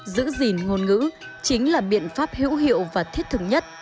giữ gìn ngôn ngữ chính là biện pháp hữu hiệu và thiết thực nhất